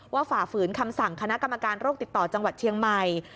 ฝ่าฝืนคำสั่งคณะกรรมการโรคติดต่อจังหวัดเชียงใหม่